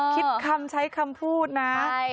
คิดคำใช้คำพูดนะ